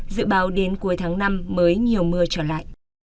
dự báo đến cuối tháng năm mới nhiều mưa trở lại